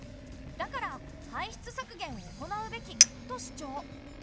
だから排出削減を行うべき」と主張。